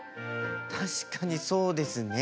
確かにそうですね。